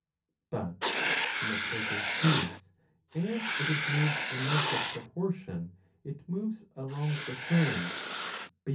But in the present case, as it is moved in no such proportion, it moves along the curve BEF.